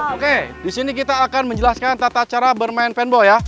oke disini kita akan menjelaskan tata cara bermain penbol ya